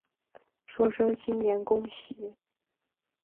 说声新年恭喜